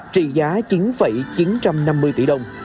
trị giá chín chín trăm năm mươi tỷ đồng